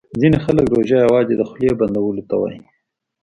ځیني خلګ روژه یوازي د خولې بندولو ته وايي